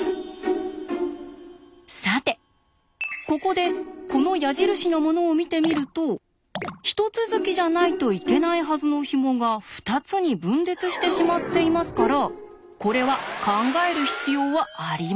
さてここでこの矢印のものを見てみると一続きじゃないといけないはずのひもが２つに分裂してしまっていますからこれは考える必要はありません。